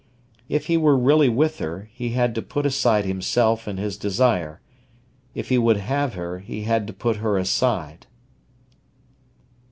If he were really with her, he had to put aside himself and his desire. If he would have her, he had to put her aside.